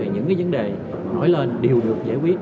rồi là những vấn đề nói lên đều được giải quyết